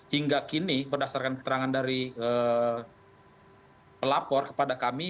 hingga kini berdasarkan keterangan dari pelapor kepada kami